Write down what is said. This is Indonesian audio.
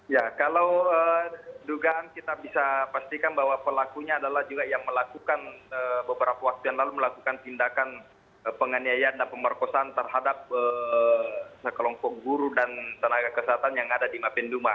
ya kalau dugaan kita bisa pastikan bahwa pelakunya adalah juga yang melakukan beberapa waktu yang lalu melakukan tindakan penganiayaan dan pemerkosaan terhadap sekelompok guru dan tenaga kesehatan yang ada di mapenduma